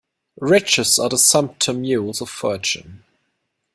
Riches are the sumpter mules of fortune.